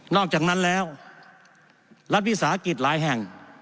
อกจากนั้นแล้วรัฐวิสาหกิจหลายแห่ง